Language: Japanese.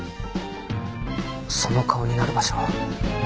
その顔になる場所